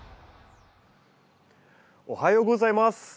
おはようございます。